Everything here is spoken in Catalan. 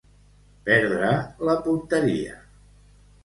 Perdre la punteria.